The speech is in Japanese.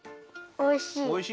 おいしい？